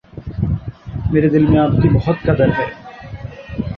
میرے دل میں آپ کی بہت قدر ہے۔